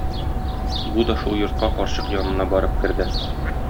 Бу да шул йортка карчык янына барып керде.